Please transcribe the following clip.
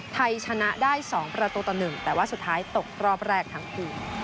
ไทยชนะได้๒ประตูต่อ๑แต่ว่าสุดท้ายตกรอบแรกทั้งคู่